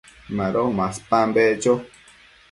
Mado maspan beccho